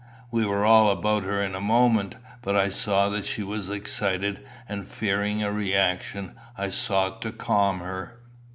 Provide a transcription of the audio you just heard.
We were all about her in a moment. But I saw that she was excited, and fearing a reaction I sought to calm her.